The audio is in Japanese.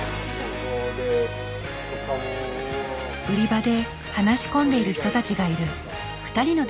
売り場で話し込んでいる人たちがいる。